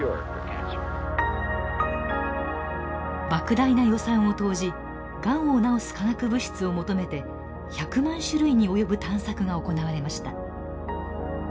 莫大な予算を投じがんを治す化学物質を求めて１００万種類に及ぶ探索が行われました。